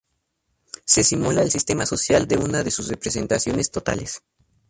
Se simula el sistema social en una de sus representaciones totales.